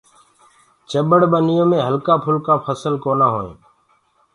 چٻڙ ڀنيو مي هلڪآ گلڪآ ڦسل ڪونآ هوئينٚ۔